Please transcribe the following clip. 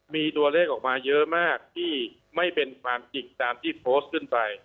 มีตัวเลขออกมาเยอะมากที่ไม่เป็นความจริงตามที่โพสต์ขึ้นไป